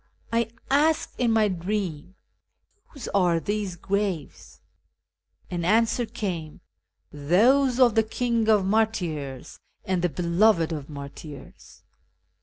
I asked in my dream, ' Whose are these graves ?' An answer came, ' Those of the " King of Martyrs " and the "Beloved of Martyrs.'"